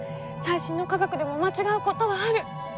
最新の科学でも間違うことはある。